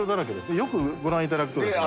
よくご覧頂くとですね。